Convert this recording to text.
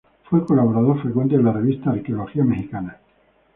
Fue colaborador frecuente de la revista "Arqueología Mexicana.